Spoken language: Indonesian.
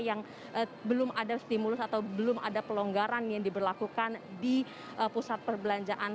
yang belum ada stimulus atau belum ada pelonggaran yang diberlakukan di pusat perbelanjaan